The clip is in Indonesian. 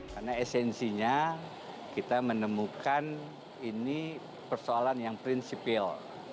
karena esensinya kita menemukan ini persoalan yang prinsipil